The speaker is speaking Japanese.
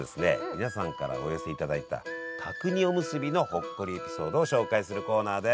皆さんからお寄せいただいた角煮おむすびのほっこりエピソードを紹介するコーナーです！